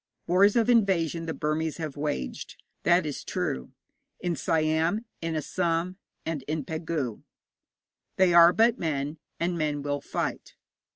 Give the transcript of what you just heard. Wars of invasion the Burmese have waged, that is true, in Siam, in Assam, and in Pegu. They are but men, and men will fight.